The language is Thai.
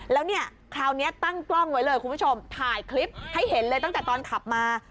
แล้วเนี่ยคราวนี้ตั้งกล้องไว้เลยคุณผู้ชมถ่ายคลิปให้เห็นเลยตั้งแต่ตอนขับมา